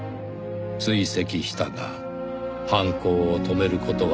「追跡したが犯行を止める事はできなかった」